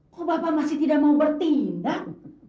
kok bapak masih tidak mau bertindak